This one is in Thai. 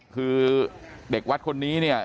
คือเด็กวัดคนนี้นะคะ